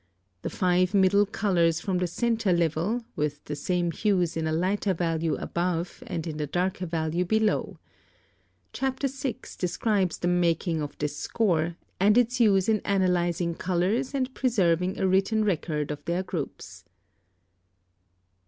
The FIVE MIDDLE COLORS form the centre level, with the same hues in a lighter value above and in a darker value below. Chapter VI. describes the making of this Score, and its use in analyzing colors and preserving a written record of their groups.